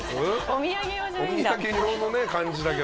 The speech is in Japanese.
お土産用のね感じだけど。